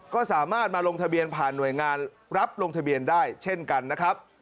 ก็สามารถมาลงทะเบียนผ่านหน่วยงานรับลงทะเบียนได้เช่นกันนะครับ